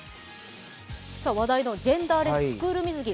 話題のジェンダーレススクール水着。